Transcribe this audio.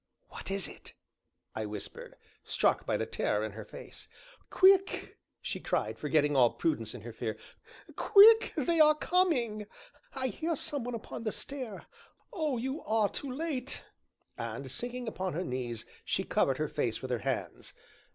"What is it?" I whispered, struck by the terror in her face. "Quick!" she cried, forgetting all prudence in her fear, "quick they are coming I hear some one upon the stair. Oh, you are too late!" and, sinking upon her knees, she covered her face with her hands.